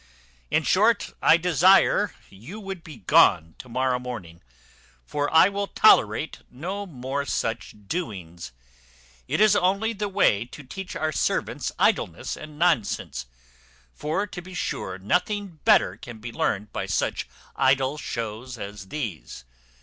In short, I desire you would be gone to morrow morning; for I will tolerate no more such doings. It is only the way to teach our servants idleness and nonsense; for to be sure nothing better can be learned by such idle shows as these.